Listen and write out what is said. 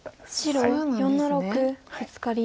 白４の六ブツカリ。